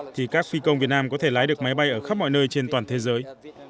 thì các phi công việt nam có thể lái được máy bay ở khắp mọi nơi trên toàn thế giới